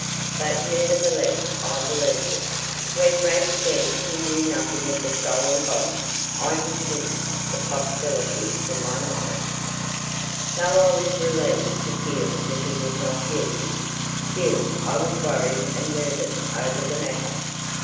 But nevertheless I believed it. When Rad said he knew nothing of the stolen bonds I dismissed the possibility from my mind. Though I was relieved to feel that he was not guilty, still I was worried and nervous over the matter.